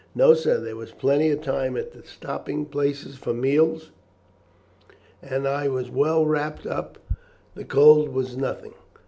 "No, sir; there was plenty of time at the stopping places for meals, and as I was well wrapped up the cold was nothing."